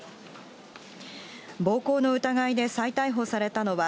暴行の疑いで再逮捕されたのは、